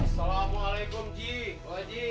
assalamualaikum ji pak haji